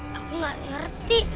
aku gak ngerti